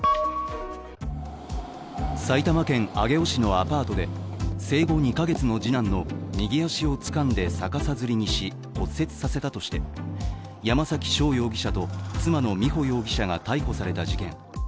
埼玉県上尾市のアパートで生後２か月の次男の右足をつかんで逆さづりにし、骨折させたとして山崎翔容疑者と妻の美穂容疑者が逮捕された事件。